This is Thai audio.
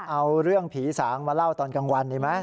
เอาเรื่องผีสางมาเล่าตอนกลางวันดีไหม